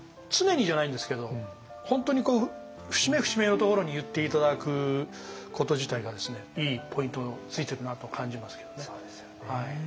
常にじゃないんですけど本当に節目節目のところに言って頂くこと自体がですねいいポイントをついてるなと感じますけどね。